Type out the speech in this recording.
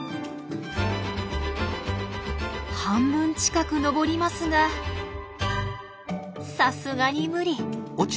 半分近く登りますがさすがに無理。